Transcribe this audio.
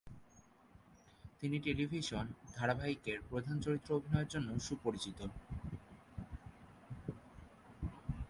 তিনি টেলিভিশন ধারাবাহিকের প্রধান চরিত্র অভিনয়ের জন্য সুপরিচিত।